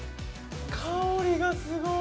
香りがすごい。